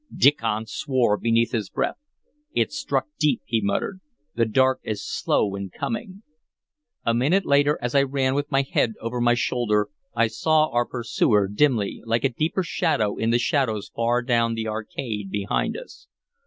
Diccon swore beneath his breath. "It struck deep," he muttered. "The dark is slow in coming." A minute later, as I ran with my head over my shoulder, I saw our pursuer, dimly, like a deeper shadow in the shadows far down the arcade behind us.